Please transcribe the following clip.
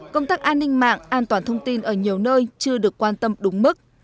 công tác an ninh mạng an toàn thông tin ở nhiều nơi chưa được quan tâm đúng mức